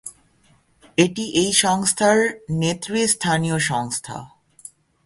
এটি এই সংস্থার নেতৃস্থানীয় সংস্থা।